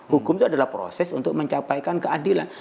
hukum itu adalah proses untuk mencapaikan keadilan